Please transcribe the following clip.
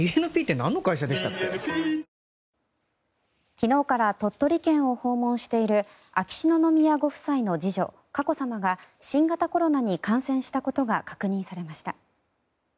昨日から鳥取県を訪問している秋篠宮ご夫妻の次女・佳子さまが新型コロナに感染したことが確認されました。